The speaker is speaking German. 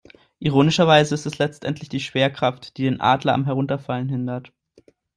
Ironischerweise ist es letztendlich die Schwerkraft, die den Adler am Herunterfallen hindert.